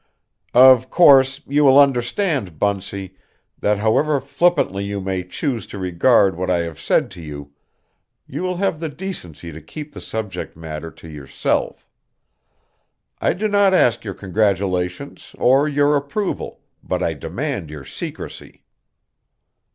"Of course you will understand, Bunsey, that however flippantly you may choose to regard what I have said to you, you will have the decency to keep the subject matter to yourself. I do not ask your congratulations or your approval, but I demand your secrecy."